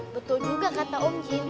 betul juga kata om jun